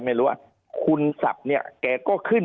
ภารกิจสรรค์ภารกิจสรรค์